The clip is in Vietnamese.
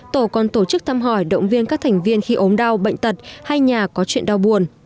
tổ còn tổ chức thăm hỏi động viên các thành viên khi ốm đau bệnh tật hay nhà có chuyện đau buồn